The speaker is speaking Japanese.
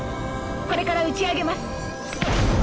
「これから打ち上げます」